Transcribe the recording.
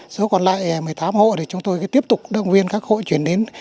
số còn lại một mươi tám hộ thì chúng tôi tiếp tục động viên các hộ chuyển đến